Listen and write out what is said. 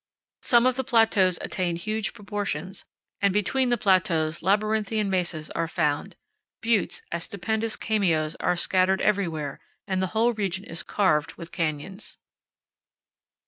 Some of the plateaus attain huge proportions, and between the plateaus labyrinthian mesas are found. Buttes, as stupendous cameos, are scattered everywhere, and the whole region is carved with canyons.